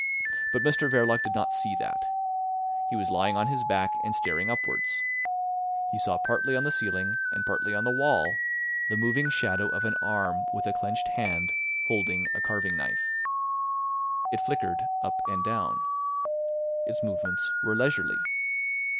But Mr Verloc did not see that. He was lying on his back and staring upwards. He saw partly on the ceiling and partly on the wall the moving shadow of an arm with a clenched hand holding a carving knife. It flickered up and down. Its movements were leisurely.